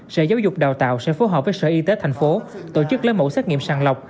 sở giáo dục và đào tạo sẽ phối hợp với sở y tế tp hcm tổ chức lấy mẫu xét nghiệm sàng lọc